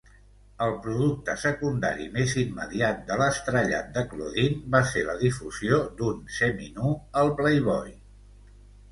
El producte secundari més immediat de l'estrellat de Claudine va ser la difusió d'un semi-nu al "Playboy".